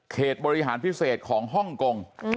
บริหารพิเศษของฮ่องกง